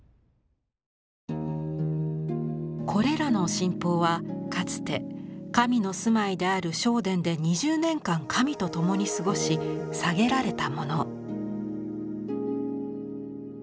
これらの神宝はかつて神の住まいである正殿で２０年間神と共に過ごし下げられたもの。